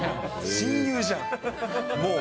親友じゃん、もう。